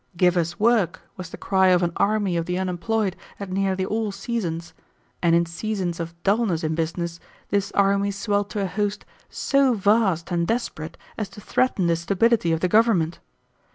'Give us work!' was the cry of an army of the unemployed at nearly all seasons, and in seasons of dullness in business this army swelled to a host so vast and desperate as to threaten the stability of the government.